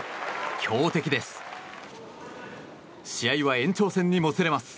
強敵です。